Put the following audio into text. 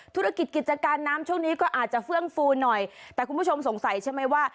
ธุรกิจกิจการน้ำช่วงนี้ก็อาจจะเฟื่องฟูหน่อยแต่คุณผู้ชมสงสัยใช่ไหมว่า